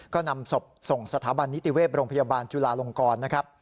ก็นำศพส่งสถาบันนิติเวศโรงพยาบาลจุลาลงกรนะครับ